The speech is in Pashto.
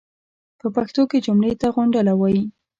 پۀ پښتو کې جملې ته غونډله وایي.